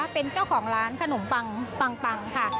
เป็นเจ้าของร้านขนมปังปังค่ะ